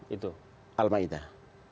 itu al ma'idah lima puluh satu